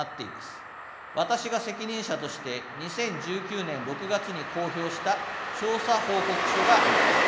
私が責任者として２０１９年６月に公表した調査報告書があります。